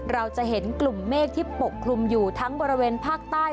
เราจะเห็นกลุ่มเมฆที่ปกคลุมอยู่ทั้งบริเวณภาคใต้